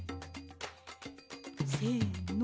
せの。